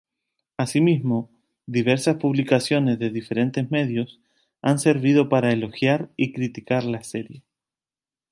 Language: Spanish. Asimismo, diversas publicaciones de diferentes medios han servido para elogiar y criticar la serie.